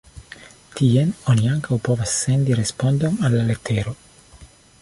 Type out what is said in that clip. Tien oni ankaŭ povas sendi respondon al la letero.